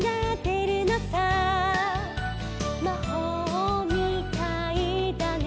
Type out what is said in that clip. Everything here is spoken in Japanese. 「まほうみたいだね